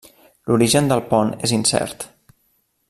L'origen del pont és incert.